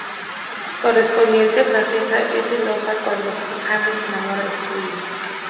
Correspondientemente, Francesca es celosa cuando James se enamora de Julie.